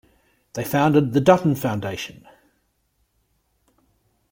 They founded The Dutton Foundation.